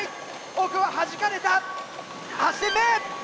奥ははじかれた８点目！